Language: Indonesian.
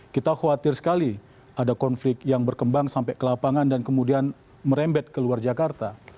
kita khawatir sekali ada konflik yang berkembang sampai ke lapangan dan kemudian merembet ke luar jakarta